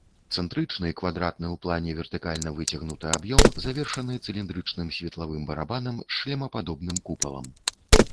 Цэнтрычны квадратны ў плане вертыкальна выцягнуты аб'ём завершаны цыліндрычным светлавым барабанам з шлемападобным купалам.